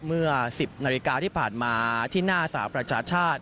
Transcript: เมื่อ๑๐นาฬิกาที่ผ่านมาที่หน้าสหประชาชาติ